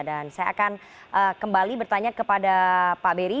dan saya akan kembali bertanya kepada pak barry